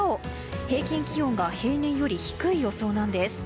平均気温が平年より低い予想です。